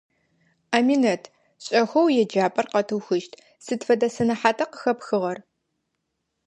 Аминэт, шӀэхэу еджапӀэр къэтыухыщт, сыд фэдэ сэнэхьата къыхэпхыгъэр?